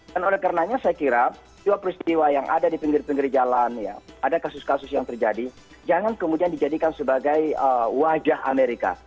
dan oleh karenanya saya kira dua peristiwa yang ada di pinggir pinggir jalan ada kasus kasus yang terjadi jangan kemudian dijadikan sebagai wajah amerika